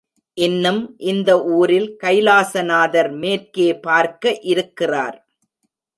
இன்னும் இந்த ஊரில் கைலாசநாதர் மேற்கே பார்க்க இருக்கிறார்.